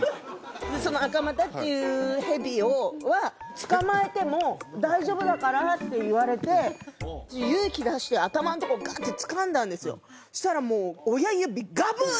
そのアカマタっていう蛇はつかまえても大丈夫だからって言われて勇気出して頭のとこガッてつかんだんですよそしたらもう親指ガブッ